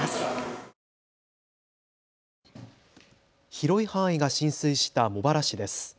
広い範囲が浸水した茂原市です。